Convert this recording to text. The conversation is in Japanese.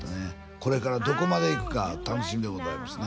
これからどこまで行くか楽しみでございますね